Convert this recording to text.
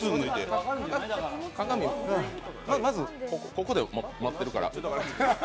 ここで待ってるから。